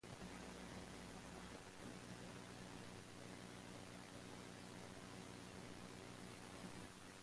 In calculus, this idea is the basis of the geometric definition of the derivative.